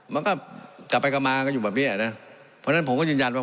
มันก็กลับไปกลับมาก็อยู่แบบเนี้ยนะเพราะฉะนั้นผมก็ยืนยันว่า